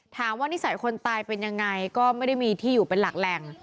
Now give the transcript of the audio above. นิสัยคนตายเป็นยังไงก็ไม่ได้มีที่อยู่เป็นหลักแหล่ง